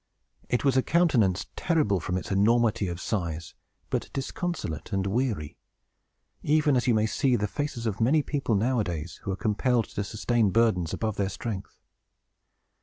It was a countenance terrible from its enormity of size, but disconsolate and weary, even as you may see the faces of many people, nowadays, who are compelled to sustain burdens above their strength.